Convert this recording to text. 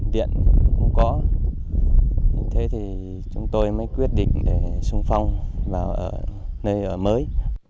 điện không có thế thì chúng tôi mới quyết định để sung phong vào nơi ở mới